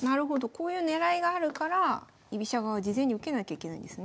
こういう狙いがあるから居飛車側は事前に受けなきゃいけないんですね。